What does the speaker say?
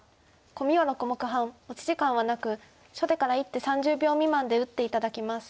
コミは６目半持ち時間はなく初手から１手３０秒未満で打って頂きます。